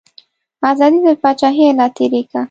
ازادي تر پاچاهیه لا تیری کا.